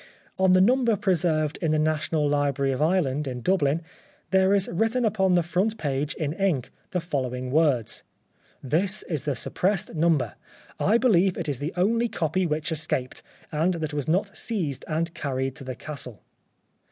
On the number preserved in the National Library of Ireland, in Dublin, there is written upon the front page in ink the following words :" This is The Suppressed Number. I believe it is the only copy which escaped, and that was not seized and carried to the Castle."